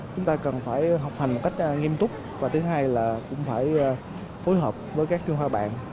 chúng ta cần phải học hành một cách nghiêm túc và thứ hai là cũng phải phối hợp với các chuyên hoa bạn